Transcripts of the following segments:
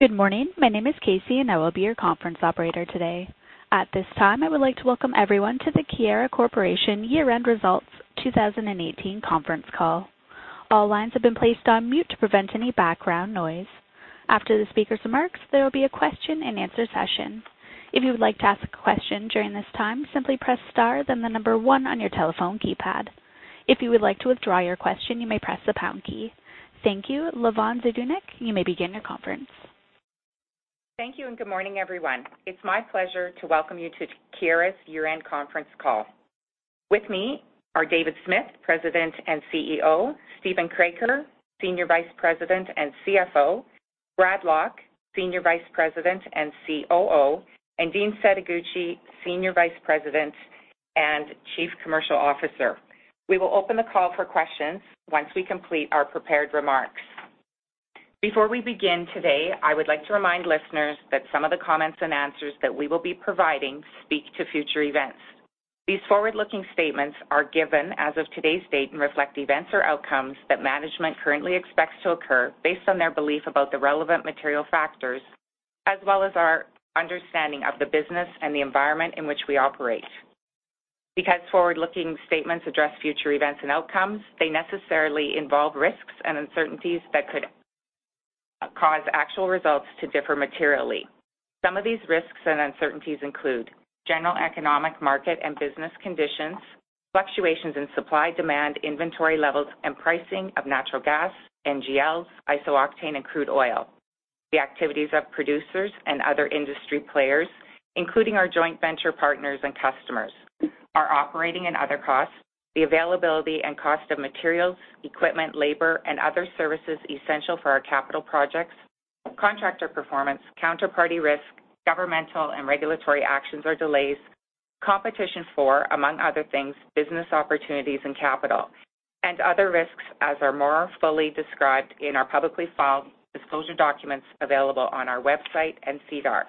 Good morning. My name is Casey, I will be your conference operator today. At this time, I would like to welcome everyone to the Keyera Corp. year-end results 2018 conference call. All lines have been placed on mute to prevent any background noise. After the speaker's remarks, there will be a question-and-answer session. If you would like to ask a question during this time, simply press star, then the number one on your telephone keypad. If you would like to withdraw your question, you may press the pound key. Thank you. Lavonne Zdunich, you may begin your conference. Thank you good morning, everyone. It's my pleasure to welcome you to Keyera's year-end conference call. With me are David Smith, President and CEO; Steven Kroeker, Senior Vice President and CFO; Bradley W. Lock, Senior Vice President and COO; and Dean Setoguchi, Senior Vice President and Chief Commercial Officer. We will open the call for questions once we complete our prepared remarks. Before we begin today, I would like to remind listeners that some of the comments and answers that we will be providing speak to future events. These forward-looking statements are given as of today's date and reflect events or outcomes that management currently expects to occur based on their belief about the relevant material factors, as well as our understanding of the business and the environment in which we operate. Because forward-looking statements address future events and outcomes, they necessarily involve risks and uncertainties that could cause actual results to differ materially. Some of these risks and uncertainties include general economic market and business conditions, fluctuations in supply, demand, inventory levels, and pricing of natural gas, NGLs, isooctane, and crude oil. The activities of producers and other industry players, including our joint venture partners and customers, our operating and other costs, the availability and cost of materials, equipment, labor, and other services essential for our capital projects, contractor performance, counterparty risk, governmental and regulatory actions or delays, competition for, among other things, business opportunities and capital, and other risks as are more fully described in our publicly filed disclosure documents available on our website and SEDAR.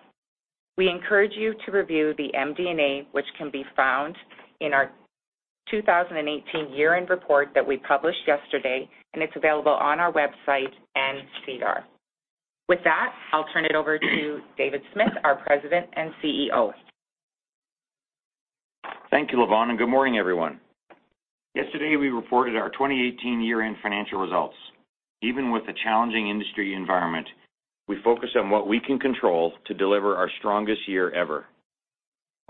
We encourage you to review the MD&A, which can be found in our 2018 year-end report that we published yesterday, and it's available on our website and SEDAR. With that, I'll turn it over to David Smith, our President and CEO. Thank you, Lavonne, and good morning, everyone. Yesterday, we reported our 2018 year-end financial results. Even with the challenging industry environment, we focused on what we can control to deliver our strongest year ever.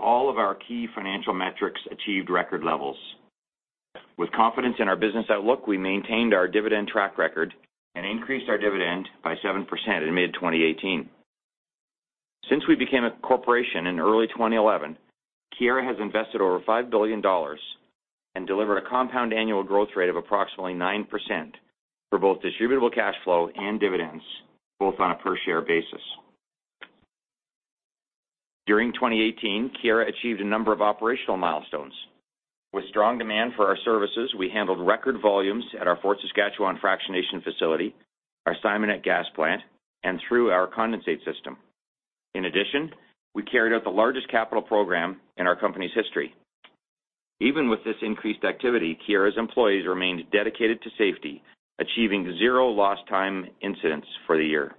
All of our key financial metrics achieved record levels. With confidence in our business outlook, we maintained our dividend track record and increased our dividend by 7% in mid-2018. Since we became a corporation in early 2011, Keyera has invested over 5 billion dollars and delivered a compound annual growth rate of approximately 9% for both distributable cash flow and dividends, both on a per-share basis. During 2018, Keyera achieved a number of operational milestones. With strong demand for our services, we handled record volumes at our Fort Saskatchewan fractionation facility, our Simonette Gas Plant, and through our condensate system. In addition, we carried out the largest capital program in our company's history. Even with this increased activity, Keyera's employees remained dedicated to safety, achieving zero lost time incidents for the year.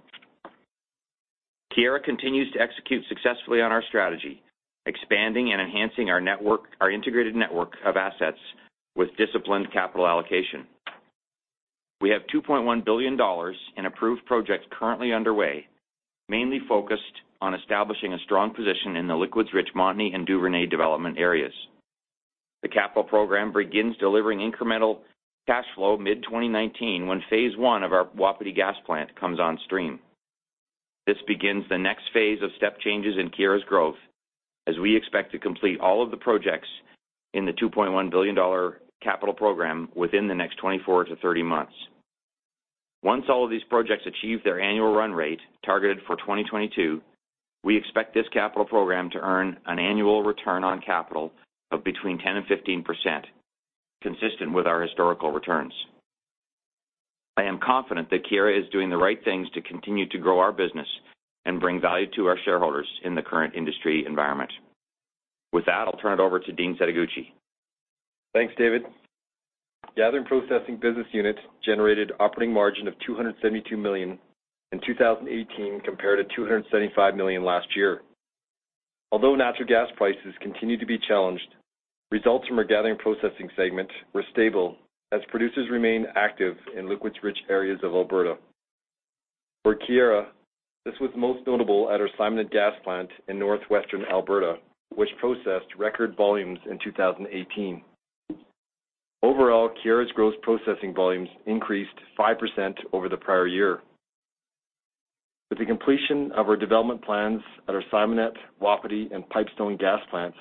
Keyera continues to execute successfully on our strategy, expanding and enhancing our integrated network of assets with disciplined capital allocation. We have 2.1 billion dollars in approved projects currently underway, mainly focused on establishing a strong position in the liquids-rich Montney and Duvernay development areas. The capital program begins delivering incremental cash flow mid-2019 when phase I of our Wapiti Gas Plant comes on stream. This begins the next phase of step changes in Keyera's growth as we expect to complete all of the projects in the 2.1 billion dollar capital program within the next 24-30 months. Once all of these projects achieve their annual run rate targeted for 2022, we expect this capital program to earn an annual return on capital of between 10%-15%, consistent with our historical returns. I am confident that Keyera is doing the right things to continue to grow our business and bring value to our shareholders in the current industry environment. With that, I'll turn it over to Dean Setoguchi. Thanks, David. Gathering Processing business unit generated operating margin of 272 million in 2018, compared to 275 million last year. Although natural gas prices continued to be challenged, results from our Gathering Processing segment were stable as producers remained active in liquids-rich areas of Alberta. For Keyera, this was most notable at our Simonette Gas Plant in northwestern Alberta, which processed record volumes in 2018. Overall, Keyera's gross processing volumes increased 5% over the prior year. With the completion of our development plans at our Simonette, Wapiti, and Pipestone gas plants,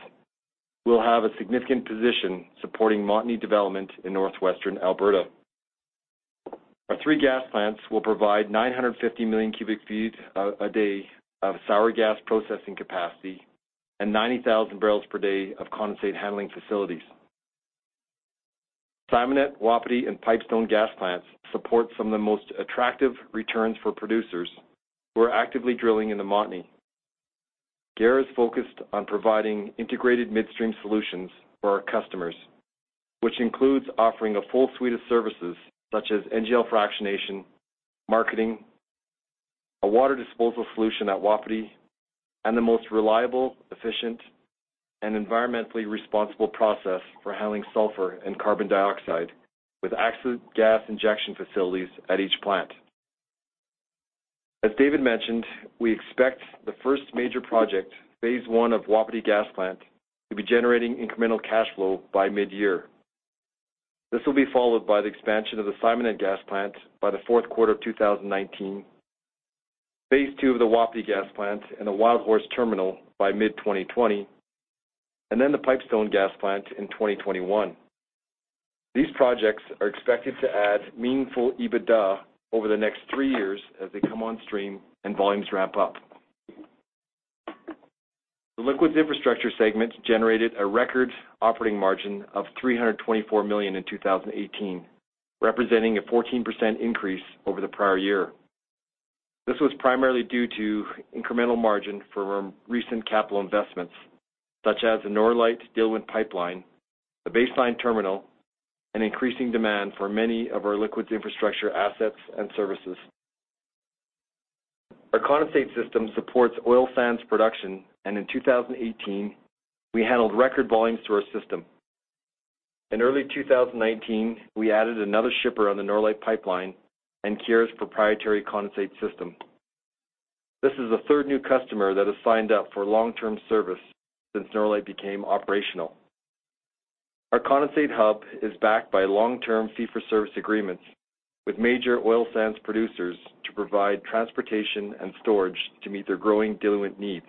we'll have a significant position supporting Montney development in northwestern Alberta. Our three gas plants will provide 950 million cu ft a day of sour gas processing capacity and 90,000 barrels per day of condensate handling facilities. Simonette, Wapiti, and Pipestone gas plants support some of the most attractive returns for producers who are actively drilling in the Montney. Keyera is focused on providing integrated midstream solutions for our customers, which includes offering a full suite of services such as NGL fractionation, marketing, a water disposal solution at Wapiti, and the most reliable, efficient, and environmentally responsible process for handling sulfur and carbon dioxide with acid gas injection facilities at each plant. As David mentioned, we expect the first major project, phase I of Wapiti Gas Plant, to be generating incremental cash flow by mid-year. This will be followed by the expansion of the Simonette Gas Plant by the fourth quarter of 2019, phase II of the Wapiti Gas Plant, and the Wildhorse Terminal by mid-2020, the Pipestone Gas Plant in 2021. These projects are expected to add meaningful EBITDA over the next three years as they come on stream and volumes ramp up. The Liquids Infrastructure segment generated a record operating margin of 324 million in 2018, representing a 14% increase over the prior year. This was primarily due to incremental margin from recent capital investments, such as the Norlite diluent pipeline, the Baseline Terminal, and increasing demand for many of our Liquids Infrastructure assets and services. Our condensate system supports oil sands production, and in 2018, we handled record volumes through our system. In early 2019, we added another shipper on the Norlite pipeline and Keyera's proprietary condensate system. This is the third new customer that has signed up for long-term service since Norlite became operational. Our condensate hub is backed by long-term fee-for-service agreements with major oil sands producers to provide transportation and storage to meet their growing diluent needs.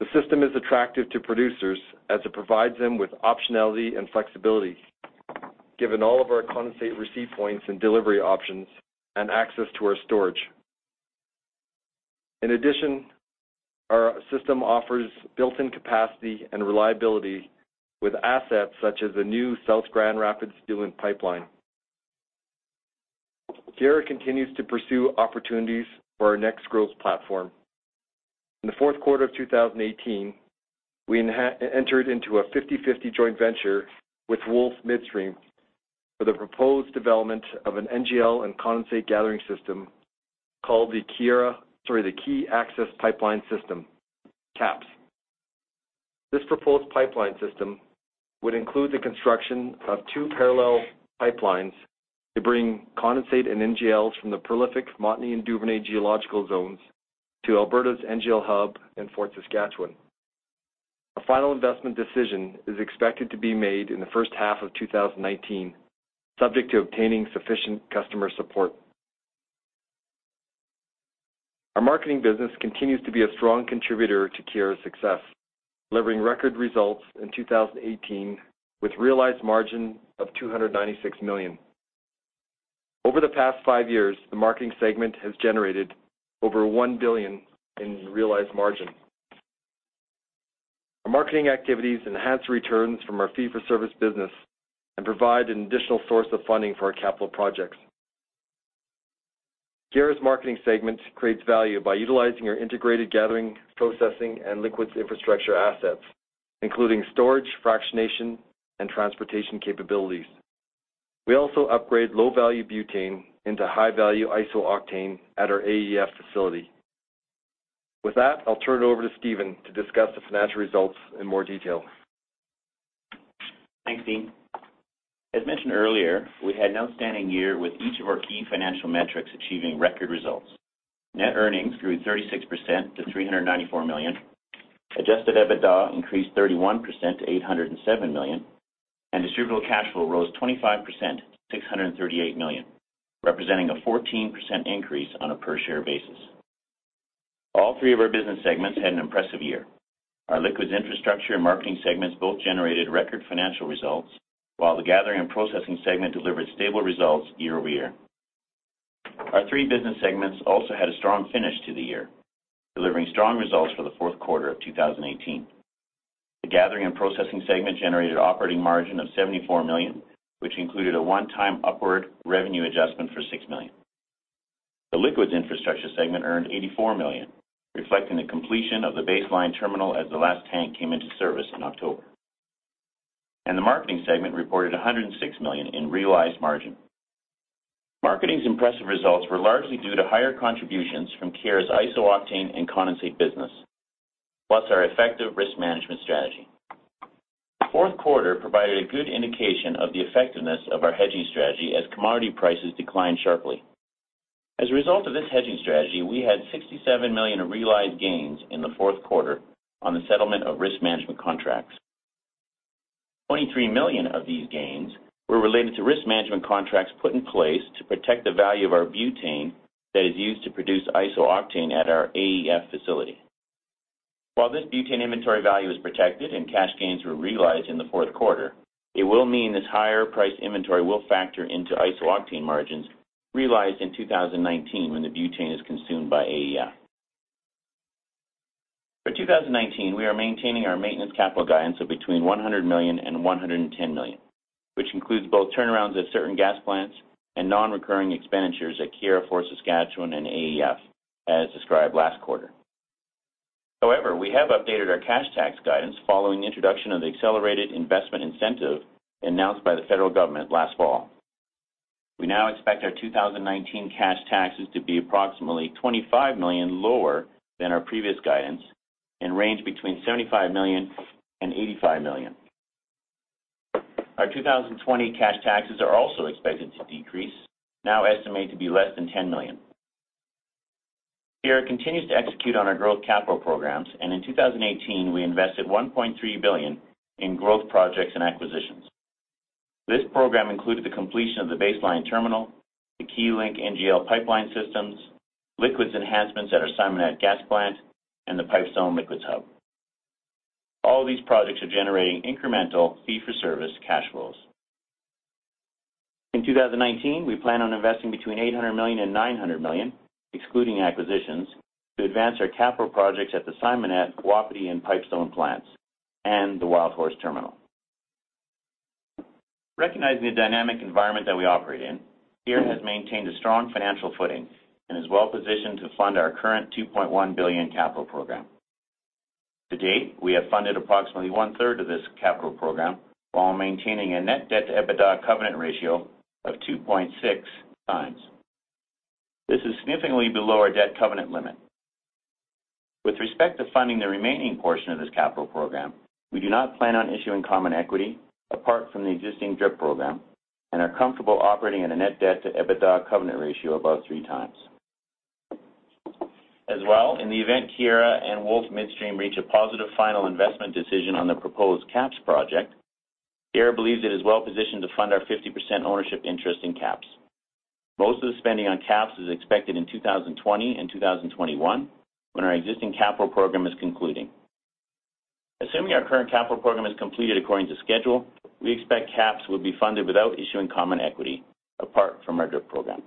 The system is attractive to producers as it provides them with optionality and flexibility, given all of our condensate receipt points and delivery options and access to our storage. In addition, our system offers built-in capacity and reliability with assets such as the new South Grand Rapids diluent pipeline. Keyera continues to pursue opportunities for our next growth platform. In the fourth quarter of 2018, we entered into a 50/50 joint venture with Wolf Midstream for the proposed development of an NGL and condensate gathering system called the Key Access Pipeline System, KAPS. This proposed pipeline system would include the construction of two parallel pipelines to bring condensate and NGLs from the prolific Montney and Duvernay geological zones to Alberta's NGL Hub in Fort Saskatchewan. A final investment decision is expected to be made in the first half of 2019, subject to obtaining sufficient customer support. Our Marketing business continues to be a strong contributor to Keyera's success, delivering record results in 2018 with realized margin of 296 million. Over the past five years, the Marketing segment has generated over 1 billion in realized margin. Our marketing activities enhance returns from our fee-for-service business and provide an additional source of funding for our capital projects. Keyera's Marketing segment creates value by utilizing our integrated Gathering and Processing, and Liquids Infrastructure assets, including storage, fractionation, and transportation capabilities. We also upgrade low-value butane into high-value isooctane at our AEF facility. With that, I'll turn it over to Steven to discuss the financial results in more detail. Thanks, Dean. As mentioned earlier, we had an outstanding year with each of our key financial metrics achieving record results. Net earnings grew 36% to 394 million. Adjusted EBITDA increased 31% to 807 million, and distributable cash flow rose 25% to 638 million, representing a 14% increase on a per-share basis. All three of our business segments had an impressive year. Our Liquids Infrastructure and Marketing segments both generated record financial results, while the Gathering and Processing segment delivered stable results year-over-year. Our three business segments also had a strong finish to the year, delivering strong results for the fourth quarter of 2018. The Gathering and Processing segment generated operating margin of 74 million, which included a one-time upward revenue adjustment for 6 million. The Liquids Infrastructure segment earned 84 million, reflecting the completion of the Baseline Terminal as the last tank came into service in October. The Marketing segment reported 106 million in realized margin. Marketing's impressive results were largely due to higher contributions from Keyera's isooctane and condensate business, plus our effective risk management strategy. The fourth quarter provided a good indication of the effectiveness of our hedging strategy as commodity prices declined sharply. As a result of this hedging strategy, we had 67 million of realized gains in the fourth quarter on the settlement of risk management contracts. 23 million of these gains were related to risk management contracts put in place to protect the value of our butane that is used to produce isooctane at our AEF facility. While this butane inventory value is protected and cash gains were realized in the fourth quarter, it will mean this higher-priced inventory will factor into isooctane margins realized in 2019 when the butane is consumed by AEF. For 2019, we are maintaining our maintenance capital guidance of between 100 million and 110 million, which includes both turnarounds at certain gas plants and non-recurring expenditures at Keyera Fort Saskatchewan and AEF, as described last quarter. However, we have updated our cash tax guidance following the introduction of the Accelerated Investment Incentive announced by the federal government last fall. We now expect our 2019 cash taxes to be approximately 25 million lower than our previous guidance and range between 75 million and 85 million. Our 2020 cash taxes are also expected to decrease, now estimated to be less than 10 million. Keyera continues to execute on our growth capital programs. In 2018, we invested 1.3 billion in growth projects and acquisitions. This program included the completion of the Baseline Terminal, the Keylink NGL Gathering Pipeline systems, liquids enhancements at our Simonette Gas Plant, and the Pipestone Liquids Hub. All these projects are generating incremental fee-for-service cash flows. In 2019, we plan on investing between 800 million and 900 million, excluding acquisitions, to advance our capital projects at the Simonette, Wapiti, and Pipestone plants and the Wildhorse Terminal. Recognizing the dynamic environment that we operate in, Keyera has maintained a strong financial footing and is well-positioned to fund our current 2.1 billion capital program. To date, we have funded approximately one-third of this capital program while maintaining a net debt-to-EBITDA covenant ratio of 2.6 x. This is significantly below our debt covenant limit. With respect to funding the remaining portion of this capital program, we do not plan on issuing common equity apart from the existing DRIP program and are comfortable operating at a net debt-to-EBITDA covenant ratio above three times. As well, in the event Keyera and Wolf Midstream reach a positive final investment decision on the proposed KAPS project, Keyera believes it is well-positioned to fund our 50% ownership interest in KAPS. Most of the spending on KAPS is expected in 2020 and 2021, when our existing capital program is concluding. Assuming our current capital program is completed according to schedule, we expect KAPS will be funded without issuing common equity apart from our DRIP program.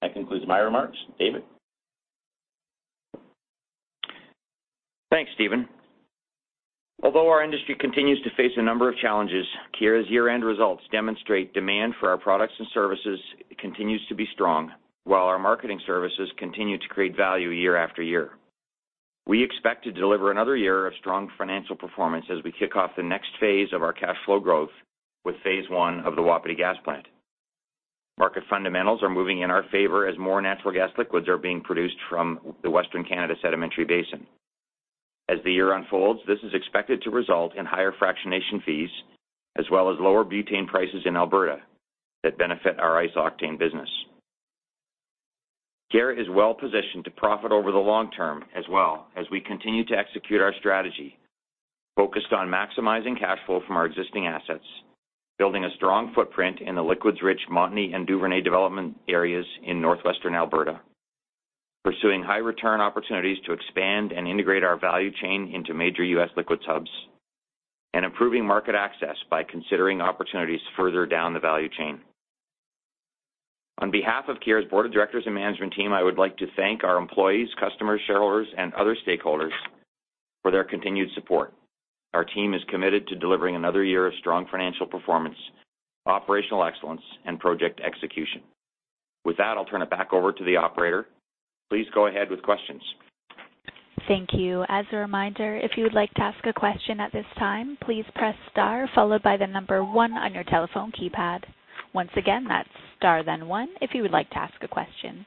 That concludes my remarks. David? Thanks, Steven. Although our industry continues to face a number of challenges, Keyera's year-end results demonstrate demand for our products and services continues to be strong, while our Marketing services continue to create value year after year. We expect to deliver another year of strong financial performance as we kick off the next phase of our cash flow growth with phase I of the Wapiti Gas Plant. Market fundamentals are moving in our favor as more Natural Gas Liquids are being produced from the Western Canada Sedimentary Basin. As the year unfolds, this is expected to result in higher NGL fractionation fees, as well as lower butane prices in Alberta that benefit our isooctane business. Keyera is well-positioned to profit over the long term as well as we continue to execute our strategy focused on maximizing cash flow from our existing assets, building a strong footprint in the liquids-rich Montney and Duvernay development areas in northwestern Alberta, pursuing high-return opportunities to expand and integrate our value chain into major U.S. liquids hubs, and improving market access by considering opportunities further down the value chain. On behalf of Keyera's Board of Directors and Management Team, I would like to thank our employees, customers, shareholders, and other stakeholders for their continued support. Our team is committed to delivering another year of strong financial performance, operational excellence, and project execution. With that, I'll turn it back over to the operator. Please go ahead with questions. Thank you. As a reminder, if you would like to ask a question at this time, please press star followed by the number one on your telephone keypad. Once again, that's star then one if you would like to ask a question.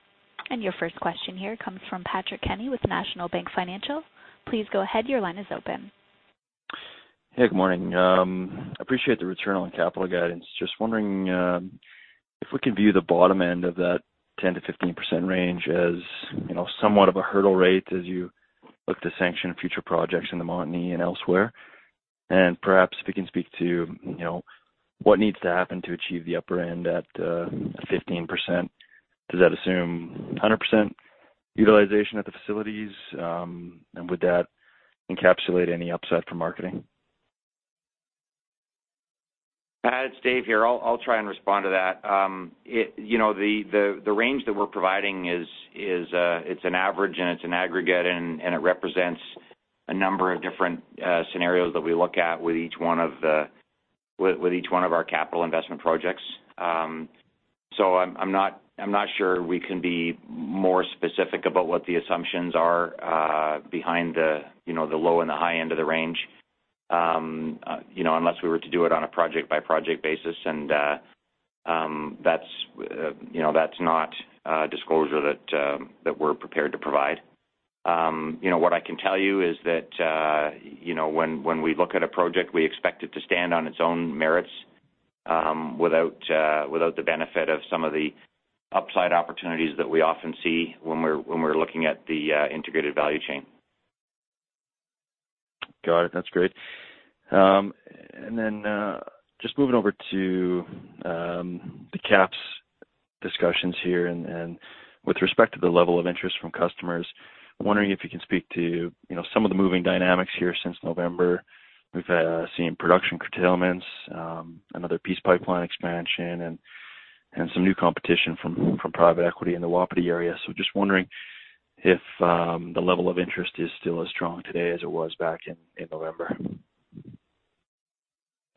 And your first question here comes from Patrick Kenny with National Bank Financial. Please go ahead. Your line is open. Hey, good morning. I appreciate the return on capital guidance. Just wondering if we can view the bottom end of that 10%-15% range as somewhat of a hurdle rate as you look to sanction future projects in the Montney and elsewhere. Perhaps if you can speak to what needs to happen to achieve the upper end at 15%. Does that assume 100% utilization of the facilities? Would that encapsulate any upside for Marketing? Patrick, it's David here. I'll try and respond to that. The range that we're providing, it's an average and it's an aggregate, it represents a number of different scenarios that we look at with each one of our capital investment projects. I'm not sure we can be more specific about what the assumptions are behind the low and the high end of the range, unless we were to do it on a project-by-project basis, that's not disclosure that we're prepared to provide. What I can tell you is that when we look at a project, we expect it to stand on its own merits without the benefit of some of the upside opportunities that we often see when we're looking at the integrated value chain. Got it. That's great. Just moving over to the KAPS discussions here and with respect to the level of interest from customers, I'm wondering if you can speak to some of the moving dynamics here since November. We've seen production curtailments, another Peace Pipeline expansion, and some new competition from private equity in the Wapiti area. Just wondering if the level of interest is still as strong today as it was back in November.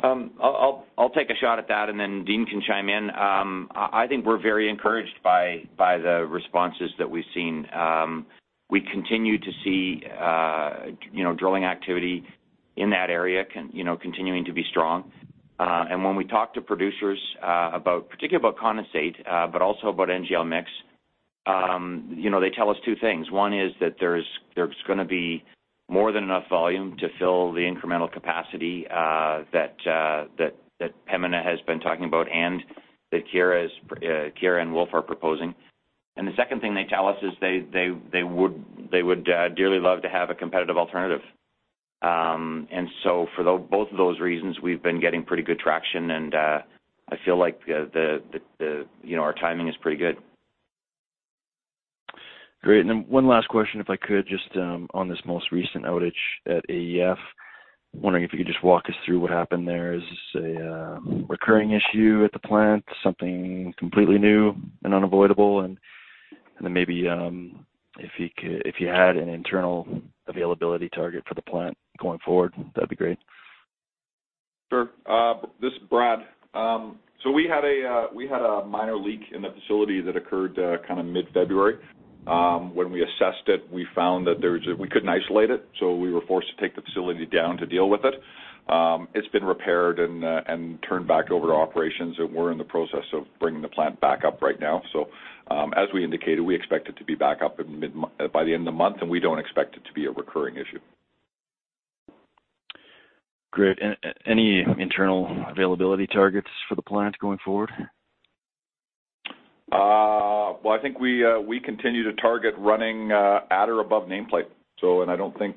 I'll take a shot at that and then Dean can chime in. I think we're very encouraged by the responses that we've seen. We continue to see drilling activity in that area continuing to be strong. When we talk to producers, particularly about condensate, but also about NGL mix, they tell us two things. One is that there's going to be more than enough volume to fill the incremental capacity that Pembina has been talking about, and that Keyera and Wolf are proposing. The second thing they tell us is they would dearly love to have a competitive alternative. For both of those reasons, we've been getting pretty good traction, I feel like our timing is pretty good. Great. One last question, if I could, just on this most recent outage at AEF. Wondering if you could just walk us through what happened there. Is this a recurring issue at the plant, something completely new and unavoidable? Maybe, if you had an internal availability target for the plant going forward, that'd be great. Sure. This is Bradley. We had a minor leak in the facility that occurred mid-February. When we assessed it, we found that we couldn't isolate it, so we were forced to take the facility down to deal with it. It's been repaired and turned back over to operations, and we're in the process of bringing the plant back up right now. As we indicated, we expect it to be back up by the end of the month, and we don't expect it to be a recurring issue. Great. Any internal availability targets for the plant going forward? I think we continue to target running at or above nameplate. I don't think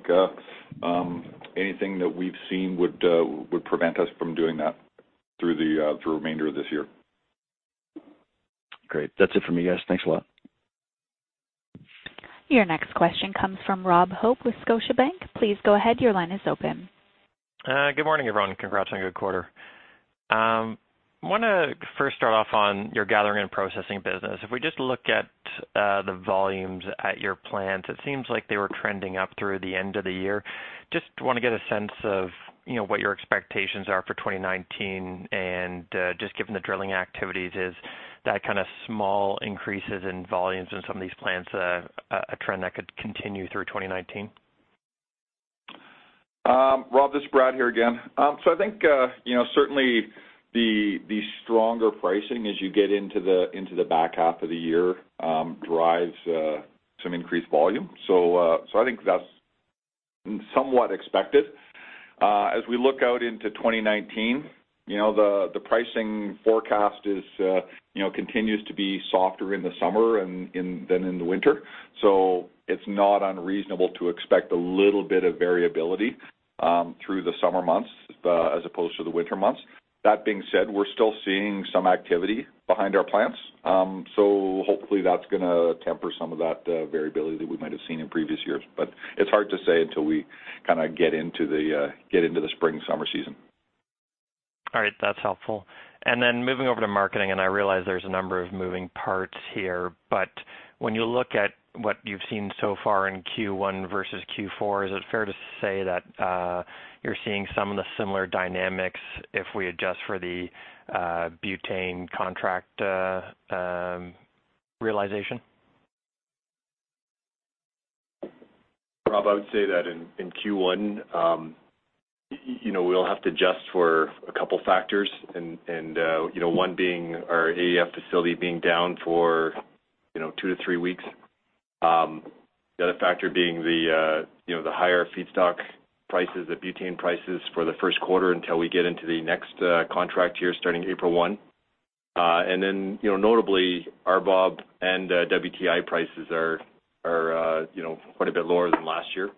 anything that we've seen would prevent us from doing that through the remainder of this year. Great. That's it for me, guys. Thanks a lot. Your next question comes from Robert Hope with Scotiabank. Please go ahead, your line is open. Good morning, everyone. Congrats on a good quarter. I want to first start off on your Gathering and Processing business. If we just look at the volumes at your plants, it seems like they were trending up through the end of the year. Just want to get a sense of what your expectations are for 2019 and, just given the drilling activities, is that kind of small increases in volumes in some of these plants a trend that could continue through 2019? Robert, this is Bradley here again. I think, certainly the stronger pricing as you get into the back half of the year, drives some increased volume. I think that's somewhat expected. As we look out into 2019, the pricing forecast continues to be softer in the summer than in the winter. It's not unreasonable to expect a little bit of variability through the summer months, as opposed to the winter months. That being said, we're still seeing some activity behind our plants. Hopefully that's going to temper some of that variability that we might have seen in previous years. It's hard to say until we get into the spring, summer season. All right, that's helpful. Then moving over to marketing, I realize there's a number of moving parts here, but when you look at what you've seen so far in Q1 versus Q4, is it fair to say that you're seeing some of the similar dynamics if we adjust for the butane contract realization? Robert, I would say that in Q1, we'll have to adjust for a couple factors, one being our AEF facility being down for two to three weeks. The other factor being the higher feedstock prices, the butane prices for the first quarter until we get into the next contract year starting April 1. Then, notably RBOB and WTI prices are quite a bit lower than last year.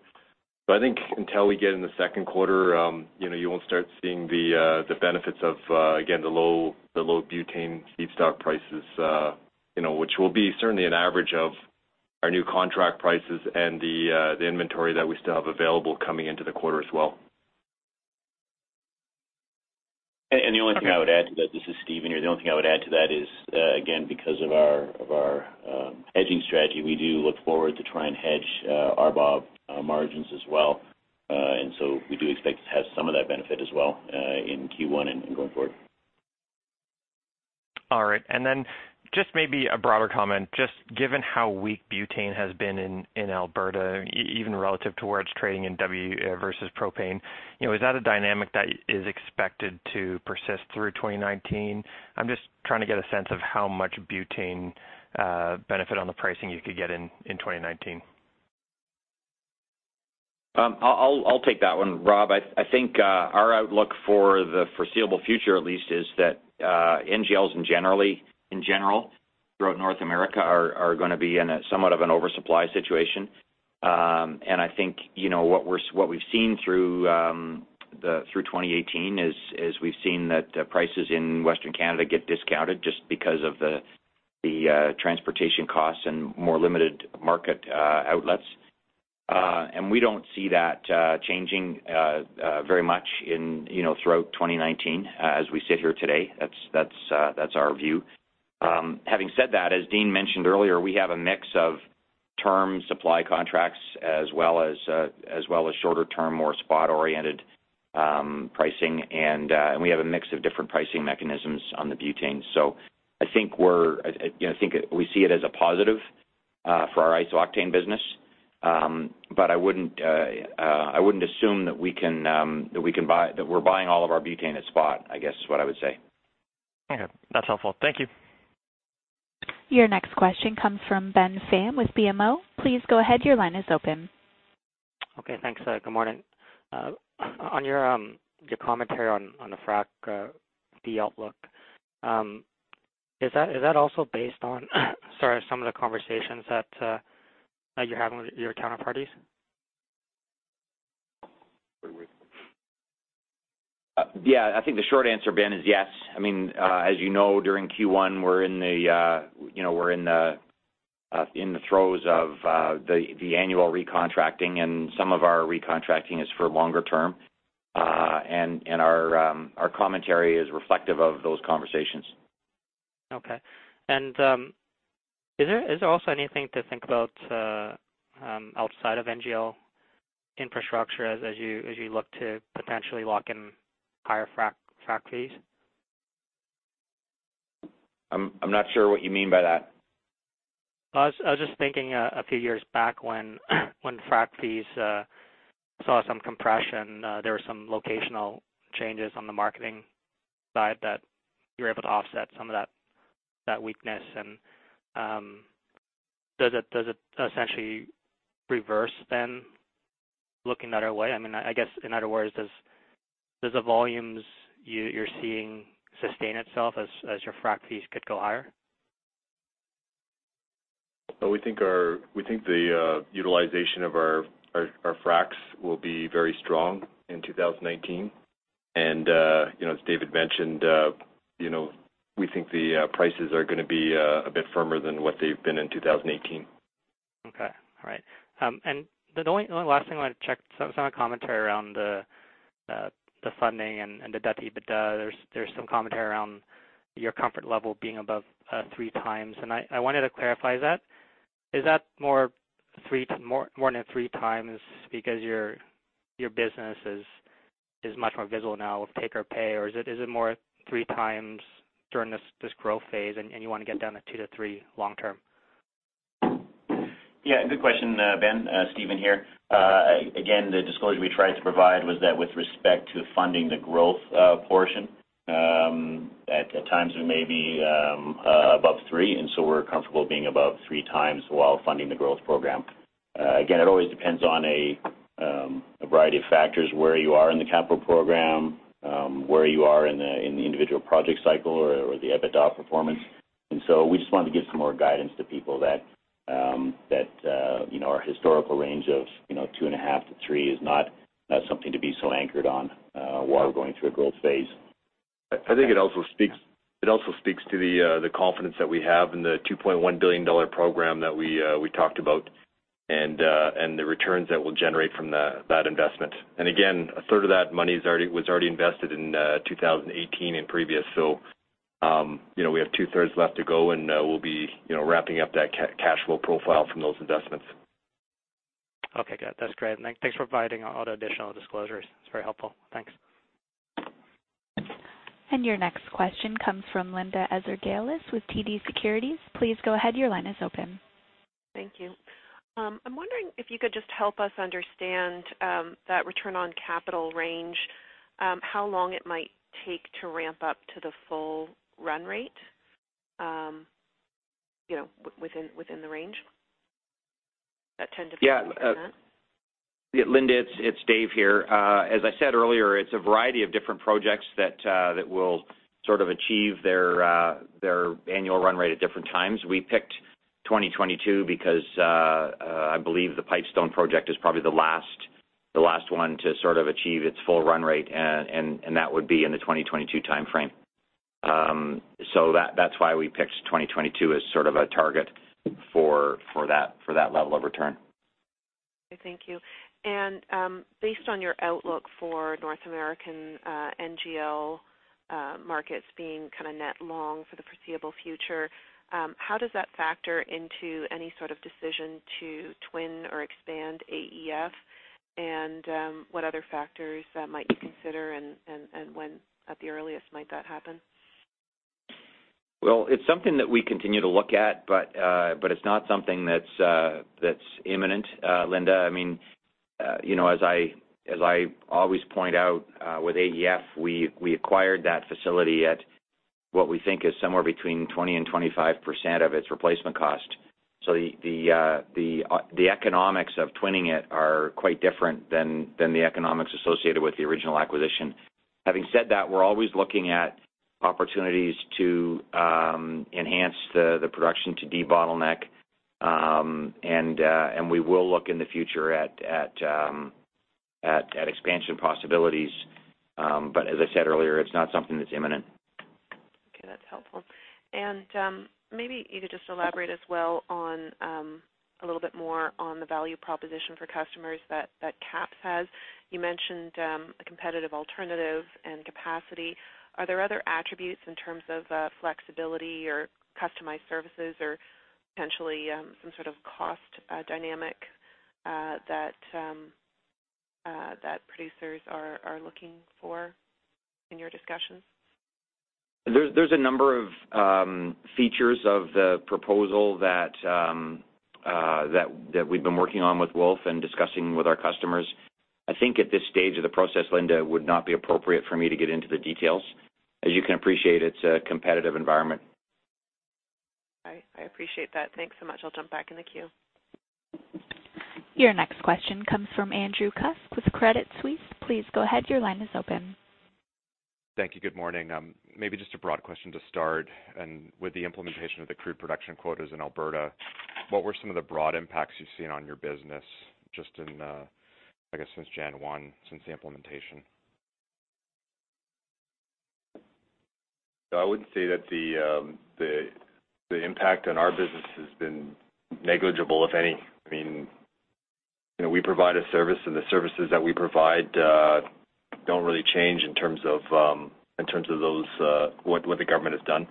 I think until we get in the second quarter, you won't start seeing the benefits of, again, the low butane feedstock prices, which will be certainly an average of our new contract prices and the inventory that we still have available coming into the quarter as well. The only thing I would add to that, this is Steven here, the only thing I would add to that is, again, because of our hedging strategy, we do look forward to try and hedge RBOB margins as well. We do expect to have some of that benefit as well, in Q1 and going forward. All right. Then just maybe a broader comment, just given how weak butane has been in Alberta, even relative to where it's trading in WTI versus propane, is that a dynamic that is expected to persist through 2019? I'm just trying to get a sense of how much butane benefit on the pricing you could get in 2019. I'll take that one, Robert. I think our outlook for the foreseeable future at least, is that NGLs in general, throughout North America are going to be in somewhat of an oversupply situation. I think what we've seen through 2018, is we've seen that prices in Western Canada get discounted just because of the transportation costs and more limited market outlets. We don't see that changing very much throughout 2019. As we sit here today, that's our view. Having said that, as Dean mentioned earlier, we have a mix of term supply contracts as well as shorter-term, more spot-oriented pricing, and we have a mix of different pricing mechanisms on the butane. I think we see it as a positive for our isooctane business. I wouldn't assume that we're buying all of our butane at spot, I guess, is what I would say. Okay. That's helpful. Thank you. Your next question comes from Ben Pham with BMO. Please go ahead, your line is open. Okay, thanks. Good morning. On your commentary on the frac fee outlook, is that also based on some of the conversations that you're having with your counterparties? Yeah. I think the short answer, Ben, is yes. As you know, during Q1, we're in the throes of the annual recontracting, and some of our recontracting is for longer-term. Our commentary is reflective of those conversations. Okay. Is there also anything to think about outside of NGL infrastructure as you look to potentially lock in higher frac fees? I'm not sure what you mean by that. I was just thinking a few years back when frac fees saw some compression, there were some Marketing side that you were able to offset some of that weakness. Does it essentially reverse then, looking the other way? I guess, in other words, does the volumes you're seeing sustain itself as your frac fees could go higher? We think the utilization of our fracs will be very strong in 2019. As David mentioned, we think the prices are going to be a bit firmer than what they've been in 2018. Okay. All right. The only last thing I wanted to check, some of the commentary around the funding and the debt EBITDA, there's some commentary around your comfort level being above three times. I wanted to clarify that. Is that more than three times because your business is much more visible now with take or pay? Or is it more three times during this growth phase and you want to get down to two to three long term? Yeah, good question, Ben. Steven here. Again, the disclosure we tried to provide was that with respect to funding the growth portion, at times it may be above three, so we're comfortable being above three times while funding the growth program. Again, it always depends on a variety of factors, where you are in the capital program, where you are in the individual project cycle or the EBITDA performance. So we just wanted to give some more guidance to people that our historical range of two and a half to three is not something to be so anchored on while we're going through a growth phase. I think it also speaks to the confidence that we have in the 2.1 billion dollar program that we talked about and the returns that we'll generate from that investment. Again, a third of that money was already invested in 2018 and previous, so we have 2/3 left to go, and we'll be wrapping up that cash flow profile from those investments. Okay, good. That's great. Thanks for providing all the additional disclosures. It's very helpful. Thanks. Your next question comes from Linda Ezergailis with TD Securities. Please go ahead, your line is open. Thank you. I'm wondering if you could just help us understand that return on capital range, how long it might take to ramp up to the full run rate within the range, that 10%-14%? Linda, it's David here. As I said earlier, it's a variety of different projects that will sort of achieve their annual run rate at different times. We picked 2022 because I believe the Pipestone project is probably the last one to sort of achieve its full run rate, and that would be in the 2022 timeframe. That's why we picked 2022 as sort of a target for that level of return. Okay, thank you. Based on your outlook for North American NGL markets being kind of net long for the foreseeable future, how does that factor into any sort of decision to twin or expand AEF? What other factors might you consider, and when at the earliest might that happen? It's something that we continue to look at, but it's not something that's imminent, Linda. As I always point out with AEF, we acquired that facility at what we think is somewhere between 20% and 25% of its replacement cost. The economics of twinning it are quite different than the economics associated with the original acquisition. Having said that, we're always looking at opportunities to enhance the production to debottleneck. We will look in the future at expansion possibilities. As I said earlier, it's not something that's imminent. Okay, that's helpful. Maybe you could just elaborate as well a little bit more on the value proposition for customers that KAPS has. You mentioned a competitive alternative and capacity. Are there other attributes in terms of flexibility or customized services or potentially, some sort of cost dynamic that producers are looking for in your discussions? There's a number of features of the proposal that we've been working on with Wolf Midstream and discussing with our customers. I think at this stage of the process, Linda, it would not be appropriate for me to get into the details. As you can appreciate, it's a competitive environment. I appreciate that. Thanks so much. I'll jump back in the queue. Your next question comes from Andrew Kuske with Credit Suisse. Please go ahead, your line is open. Thank you. Good morning. Maybe just a broad question to start, and with the implementation of the crude production quotas in Alberta, what were some of the broad impacts you've seen on your business just in, I guess since January 1, since the implementation? I would say that the impact on our business has been negligible, if any. We provide a service, and the services that we provide don't really change in terms of what the government has done.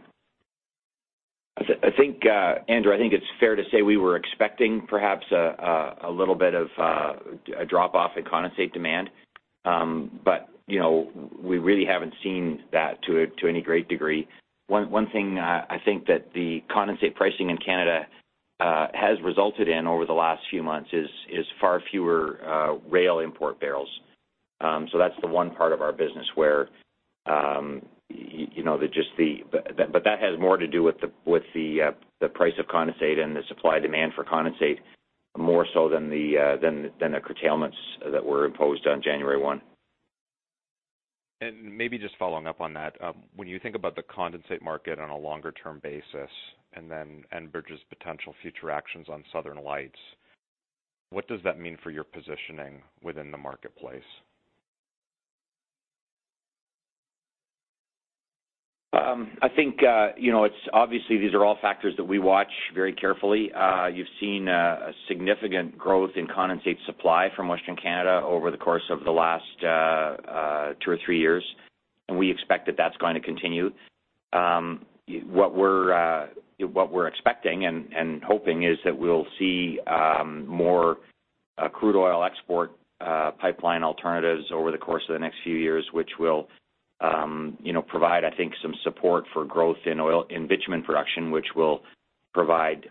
Andrew, I think it's fair to say we were expecting perhaps a little bit of a drop-off in condensate demand. We really haven't seen that to any great degree. One thing I think that the condensate pricing in Canada has resulted in over the last few months is far fewer rail import barrels. That's the one part of our business where that has more to do with the price of condensate and the supply-demand for condensate, more so than the curtailments that were imposed on January 1. Maybe just following up on that, when you think about the condensate market on a longer-term basis and then Enbridge's potential future actions on Southern Lights, what does that mean for your positioning within the marketplace? Obviously, these are all factors that we watch very carefully. You've seen a significant growth in condensate supply from Western Canada over the course of the last two or three years, and we expect that that's going to continue. What we're expecting and hoping is that we'll see more crude oil export pipeline alternatives over the course of the next few years, which will provide, I think, some support for growth in bitumen production, which will provide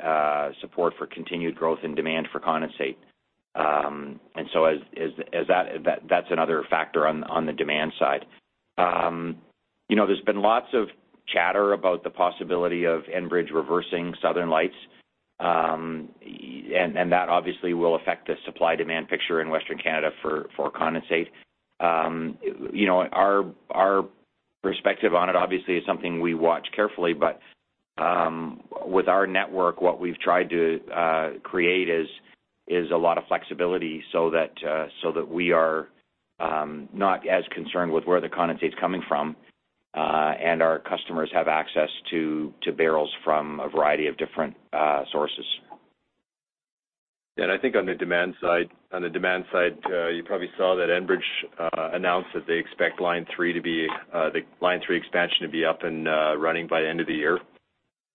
support for continued growth in demand for condensate. That's another factor on the demand side. There's been lots of chatter about the possibility of Enbridge reversing Southern Lights, and that obviously will affect the supply-demand picture in Western Canada for condensate. Our perspective on it, obviously, is something we watch carefully, but with our network, what we've tried to create is a lot of flexibility so that we are not as concerned with where the condensate's coming from, and our customers have access to barrels from a variety of different sources. I think on the demand side, you probably saw that Enbridge announced that they expect the Line 3 expansion to be up and running by end of the year.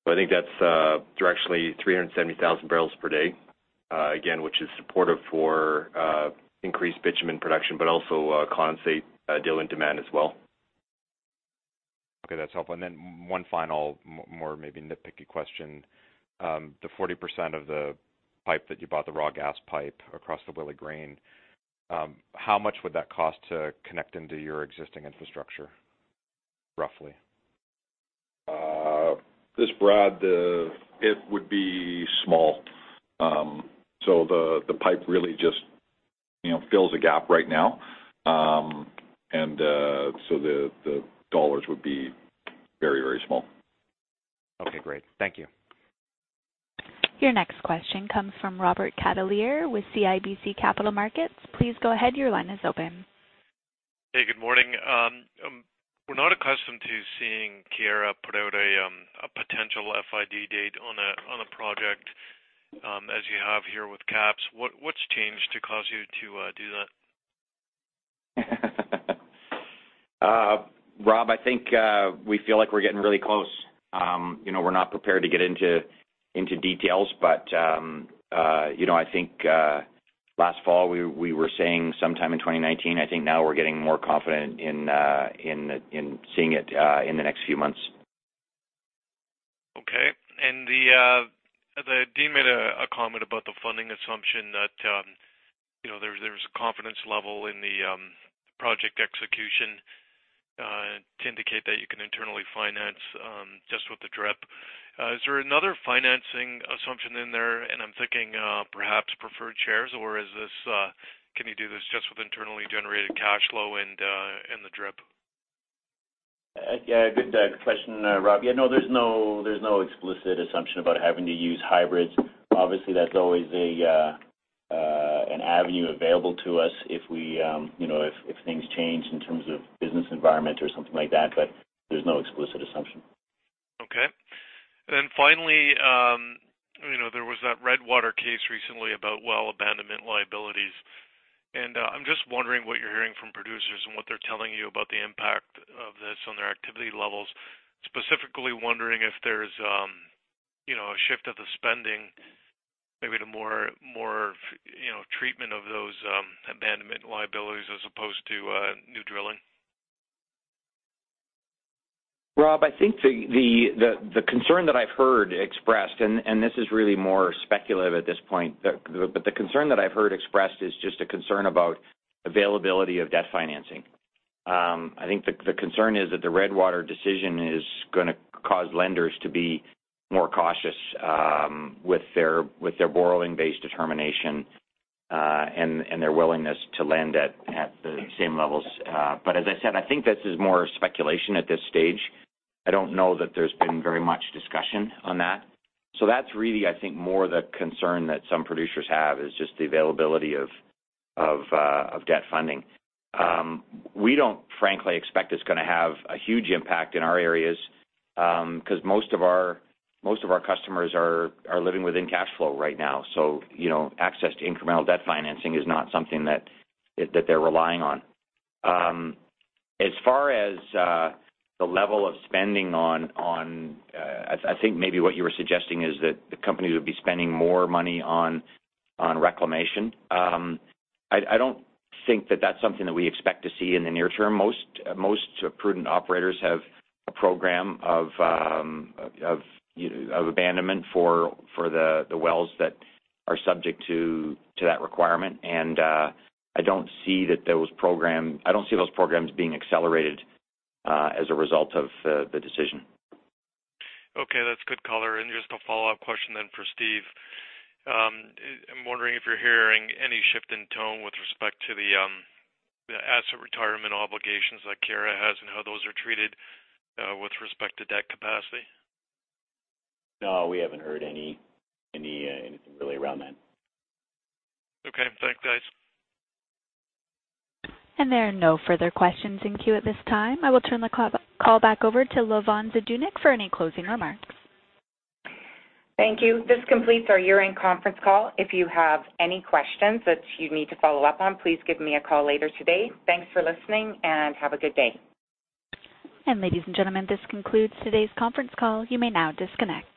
I think that's directionally 370,000 barrels per day, again, which is supportive for increased bitumen production, but also condensate diluent and demand as well. Okay, that's helpful. Then one final, more maybe nitpicky question. The 40% of the pipe that you bought, the raw gas pipe across the Willesden Green, how much would that cost to connect into your existing infrastructure, roughly? This is Bradley, it would be small. The pipe really just fills a gap right now. The dollars would be very, very small. Okay, great. Thank you. Your next question comes from Robert Catellier with CIBC Capital Markets. Please go ahead, your line is open. Hey, good morning. We're not accustomed to seeing Keyera put out a potential FID date on a project, as you have here with KAPS. What's changed to cause you to do that? Robert, I think we feel like we're getting really close. We're not prepared to get into details, but I think, last fall, we were saying sometime in 2019. I think now we're getting more confident in seeing it in the next few months. Okay. Dean made a comment about the funding assumption that there was a confidence level in the project execution to indicate that you can internally finance just with the DRIP. Is there another financing assumption in there, and I'm thinking perhaps preferred shares, or can you do this just with internally generated cash flow and the DRIP? Yeah. Good question, Robert. There's no explicit assumption about having to use hybrids. Obviously, that's always an avenue available to us if things change in terms of business environment or something like that, but there's no explicit assumption. Okay. Finally, there was that Redwater case recently about well abandonment liabilities, and I'm just wondering what you're hearing from producers and what they're telling you about the impact of this on their activity levels. Specifically wondering if there's a shift of the spending, maybe to more treatment of those abandonment liabilities as opposed to new drilling. Robert, I think the concern that I've heard expressed, and this is really more speculative at this point, the concern that I've heard expressed is just a concern about availability of debt financing. I think the concern is that the Redwater decision is going to cause lenders to be more cautious with their borrowing-based determination, and their willingness to lend at the same levels. As I said, I think this is more speculation at this stage. I don't know that there's been very much discussion on that. That's really, I think, more the concern that some producers have is just the availability of debt funding. We don't frankly expect it's going to have a huge impact in our areas, because most of our customers are living within cash flow right now. Access to incremental debt financing is not something that they're relying on. As far as the level of spending, I think maybe what you were suggesting is that the companies would be spending more money on reclamation. I don't think that that's something that we expect to see in the near term. Most prudent operators have a program of abandonment for the wells that are subject to that requirement, and I don't see those programs being accelerated as a result of the decision. Okay. That's good color. Just a follow-up question for Steven. I'm wondering if you're hearing any shift in tone with respect to the asset retirement obligations that Keyera has and how those are treated with respect to debt capacity. No, we haven't heard anything really around that. Okay. Thanks, guys. There are no further questions in queue at this time. I will turn the call back over to Lavonne Zdunich for any closing remarks. Thank you. This completes our year-end conference call. If you have any questions that you need to follow up on, please give me a call later today. Thanks for listening, and have a good day. Ladies and gentlemen, this concludes today's conference call. You may now disconnect.